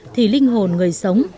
thì linh hồn người sống